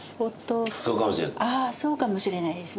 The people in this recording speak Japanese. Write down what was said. そうかもしれないです。